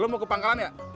lo mau ke pangkalan ya